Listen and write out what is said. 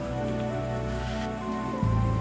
terus gimana sama mama aku ya